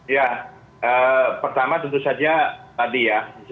ya pertama tentu saja tadi ya